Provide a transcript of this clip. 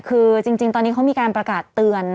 คือจริงตอนนี้เขามีการประกาศเตือน